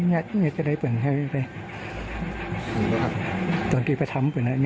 เขาเรียกว่าตุ๊กที่กำอับ